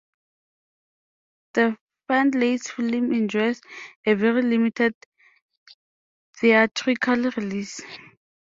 The Findlays' film enjoyed a very limited theatrical release.